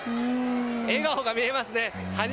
笑顔が見えますね。